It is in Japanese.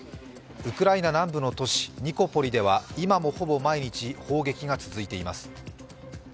ウクライナ南部の都市・ニコポリでは今もほぼ毎日砲撃が続いています。